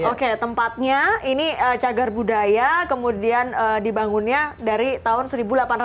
oke tempatnya ini cagar budaya kemudian dibangunnya dari tahun seribu delapan ratus